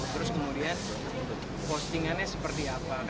terus kemudian postingannya seperti apa